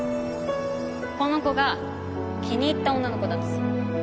この子が気に入った女の子だとする。